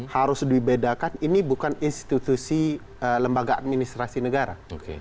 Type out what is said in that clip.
harus dibedakan ini bukan institusi lembaga administrasi negara